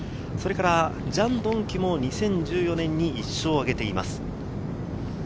ジャン・ドンキュも２０１４年に１勝を挙げています。